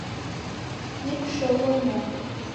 Nikushoghonua!